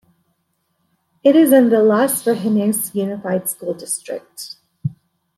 It is in the Las Virgenes Unified School District.